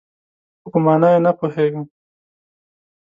خو، په مانا یې نه پوهیږم